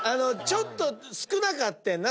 ちょっと少なかってんな